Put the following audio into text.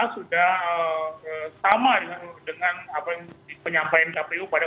sudah sama dengan apa yang penyampaikan kpu pada konsultasi